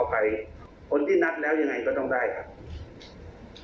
ใครคนที่นัดแล้วยังไงก็ต้องได้ครับ